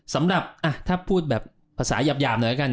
สำหรับถ้าพูดแบบภาษาหยาบหน่อยแล้วกัน